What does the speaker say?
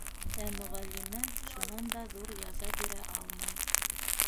Ә мөғәллимә шунан да ҙур яза бирә алмай.